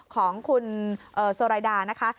ของคุณโซไรดานะคะ